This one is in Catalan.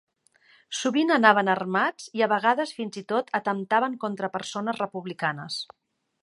Sovint anaven armats i a vegades fins i tot atemptaven contra persones republicanes.